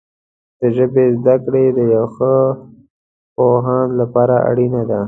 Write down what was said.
د ژبې زده کړه د یو ښه پوهاند لپاره اړینه ده.